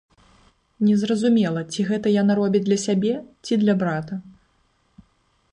Незразумела, ці гэта яна робіць для сябе, ці для брата.